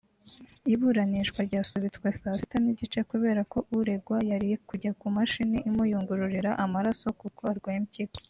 Iburanishwa ryasubitswe saa sita n’igice kubera ko uregwa yari kujya ku mashini imuyungururira amaraso kuko arwaye impyiko